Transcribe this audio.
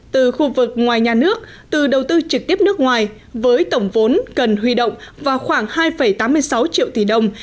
từ khu vực ngoài nhà nước từ đầu tư trực tiếp nước ngoài với tổng vốn cần huy động vào khoảng hai tám mươi sáu triệu tỷ đồng